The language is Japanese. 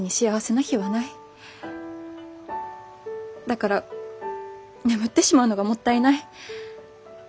だから眠ってしまうのがもったいない。